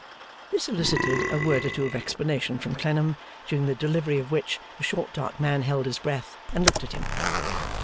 This elicited a word or two of explanation from Clennam, during the delivery of which the short dark man held his breath and looked at him.